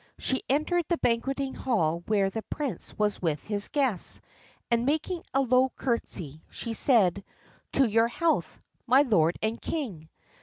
She entered the banqueting hall where the prince was with his guests, and, making a low curtsey, she said: 'To your health, my lord and king.